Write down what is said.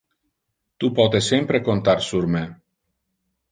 Tu pote sempre contar sur me.